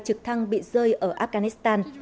trực thăng bị rơi ở afghanistan